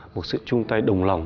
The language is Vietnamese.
một sự chung tay đồng lòng